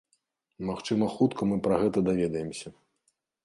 Магчыма хутка мы пра гэта даведаемся.